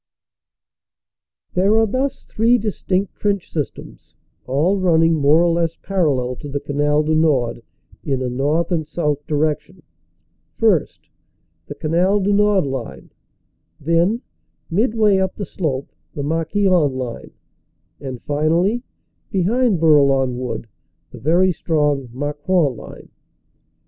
There are thus three distinct trench systems, all running more or less parallel to the Canal du Nord in a north and south direction; first, the Canal du Nord line; then, midway up the slope, the Marquion line; and, finally, behind Bourlon Wood, the very strong Marcoing Line.